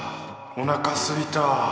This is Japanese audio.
おなかすいたぁ。